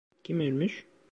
Kim ölmüş?